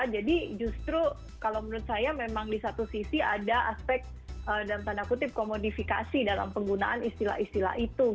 jadi justru kalau menurut saya memang di satu sisi ada aspek dalam tanda kutip komodifikasi dalam penggunaan istilah istilah itu